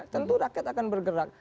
tentu rakyat akan bergerak